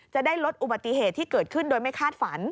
จะได้ลดอุบัติเหตุที่เกิดขึ้นโดยไม่คาดฝัน